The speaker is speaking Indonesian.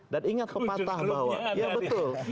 dan ingat pepatah bahwa ya betul